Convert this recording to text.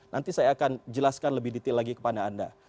nanti saya akan jelaskan lebih detail lagi kepada anda